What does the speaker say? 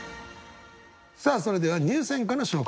さあそれでは入選歌の紹介です。